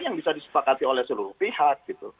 yang bisa disepakati oleh seluruh pihak